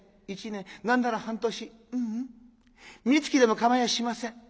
１年何なら半年ううんみつきでも構いやしません。